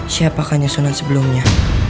siapakah nyusunan sebelumnya